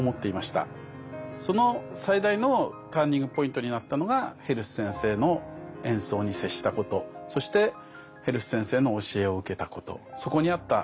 その最大のターニングポイントになったのがヘルス先生の演奏に接したことそしてヘルス先生の教えを受けたことそこにあった。